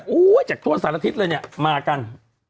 จากทั่วสารทิศเลยเนี่ยมากัน